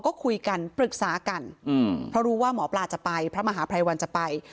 ก็คุยกันปรึกษากันเพราะรู้ว่าหมอปลาจะไปพระมหาภัยวันจะไป